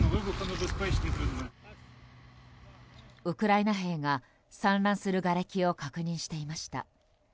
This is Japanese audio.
ウクライナ兵が散乱するがれきを確認していました。